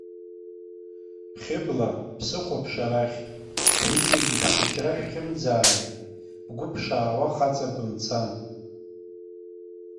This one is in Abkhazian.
Хьыбла, бсыхәаԥш арахь, шәҩыџьегьы шәхәыҷра шәхьымӡааит, бгәы ԥшаашәа хаҵа бымцан.